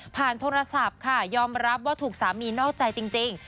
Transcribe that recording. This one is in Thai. โทรศัพท์ค่ะยอมรับว่าถูกสามีนอกใจจริง